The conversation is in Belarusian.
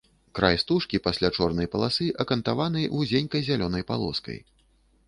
Край стужкі пасля чорнай паласы акантаваны вузенькай зялёнай палоскай.